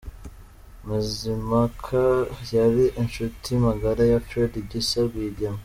Mazimhaka yari inshuti magara ya Fred Gisa Rwigema.